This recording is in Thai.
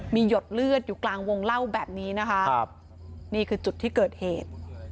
มีหยดเลือดอยู่กลางวงเล่าแบบนี้นะคะครับนี่คือจุดที่เกิดเหตุ